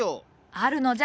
あるのじゃ。